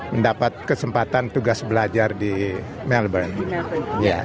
mendapat kesempatan tugas belajar di melbourne